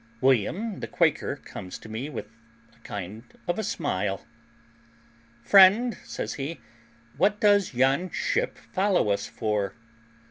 William, the Quaker, comes to me with a kind of a smile. "Friend," says he, "what does yon ship follow us for?"